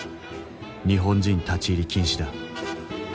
日本人立ち入り禁止だ。